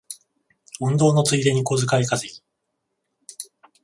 運動のついでに小遣い稼ぎ